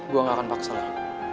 gue gak akan paksalah